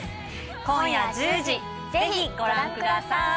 今夜１０時ぜひご覧ください